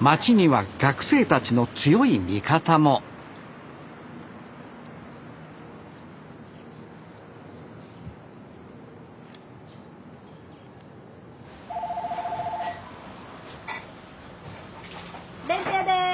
街には学生たちの強い味方も☎弁当屋です。